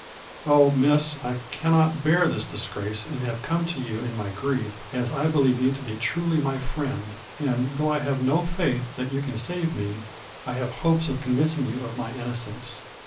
Oh, Miss, I cannot bear this disgrace and have come to you in my grief, as I believe you to be truly my friend, and, though I have no faith that you can save me, I have hopes of convincing you of my innocence.